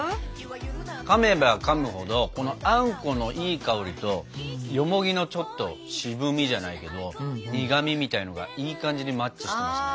かめばかむほどこのあんこのいい香りとよもぎのちょっと渋みじゃないけど苦みみたいなのがいい感じにマッチしてますね。